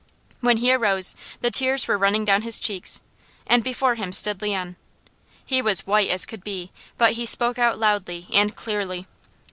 When he arose the tears were running down his cheeks, and before him stood Leon. He was white as could be, but he spoke out loudly and clearly.